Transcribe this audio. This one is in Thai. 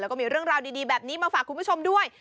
แล้วก็มีเรื่องราวดีแบบนี้มาฝากคุณผู้ชมด้วย